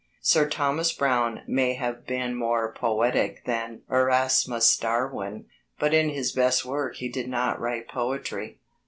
Sir Thomas Browne may have been more poetic than Erasmus Darwin, but in his best work he did not write poetry.